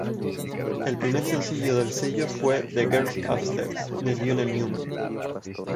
El primer sencillo del sello fue "The Girl Upstairs" de Lionel Newman.